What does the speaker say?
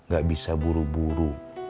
gak bisa buru buru